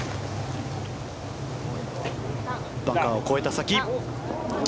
バンカーを越えた先。